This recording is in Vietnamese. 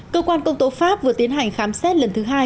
cơ quan công tố pháp vừa tiến hành khám xét lần thứ hai